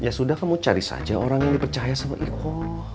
ya sudah kamu cari saja orang yang dipercaya sama ibu